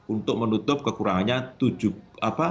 untuk menutup kekurangannya tujuh apa